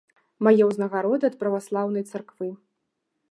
Мае ўзнагароды ад праваслаўнай царквы.